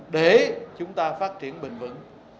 để chúng ta phát triển bình vẩn